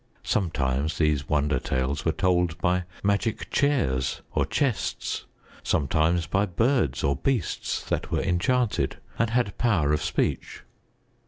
Sometimes these wonder tales were told by magic chairs or chests; sometimes by birds or beasts that were enchanted and had power of speech.